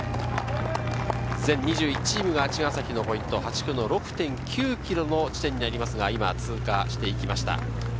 全２１チームが茅ヶ崎のポイント、８区の６．９ｋｍの地点にありますが、通過していきました。